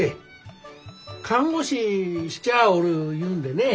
看護師しちゃあおるいうんでねえ。